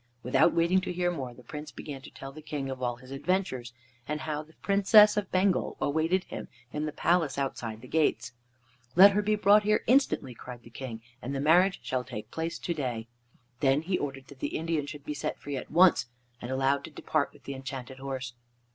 Without waiting to hear more, the Prince began to tell the King all his adventures, and how the Princess of Bengal awaited him in the palace outside the gates. "Let her be brought here instantly," cried the King, "and the marriage shall take place to day." Then he ordered that the Indian should be set free at once and allowed to depart with the Enchanted Horse.